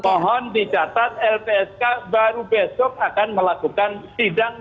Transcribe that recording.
mohon dicatat lpsk baru besok akan melakukan sidang